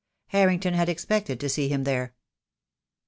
Harrington had expected to see him there.